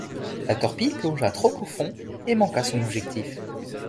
La torpille plongea trop profond et manqua son objectif.